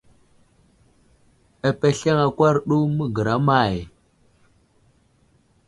Apesleŋ akwar ɗu məgəra may ?